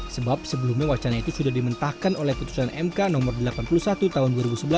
sebab sebelumnya wacana itu sudah dimentahkan oleh putusan mk no delapan puluh satu tahun dua ribu sebelas